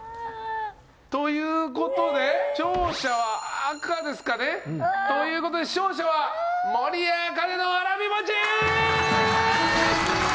ということで勝者は赤ですかね。ということで勝者は守屋茜のわらびもち！